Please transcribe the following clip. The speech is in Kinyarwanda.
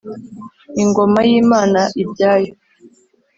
Ingoma yimana ibyayo